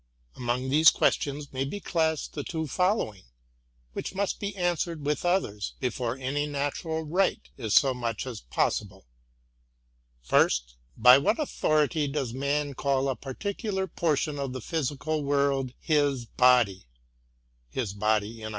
Among these questions may be classed the two following, which must be answered, with others, before any natural right is so much as possible; — first — By what authority T1IE VOCATION OF MAN IN SOCIETY. 27 does man call a particular portion of the physical world his body ?